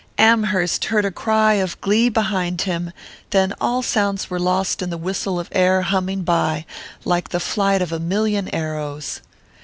Amherst heard a cry of glee behind him; then all sounds were lost in the whistle of air humming by like the flight of a million arrows.